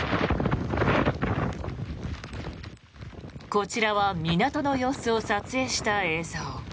こちらは港の様子を撮影した映像。